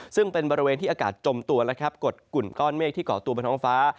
ซึ่งเป็นบริเวณที่อากาศจมตัวและกดกลุ่มก้อนเมฆที่เกาะตัวบนท้องฟ้า